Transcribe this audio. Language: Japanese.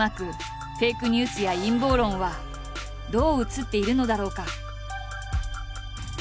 ニュースや陰謀論はどう映っているのだろうか？